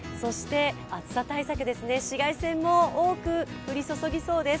暑さ対策ですが、紫外線が大きく降り注ぎそうです。